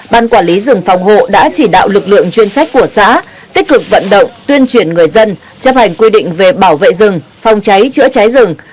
ban quản lý rừng phòng hộ đã chỉ đạo lực lượng chuyên trách của xã tích cực vận động tuyên truyền người dân chấp hành quy định về bảo vệ rừng phòng cháy chữa cháy rừng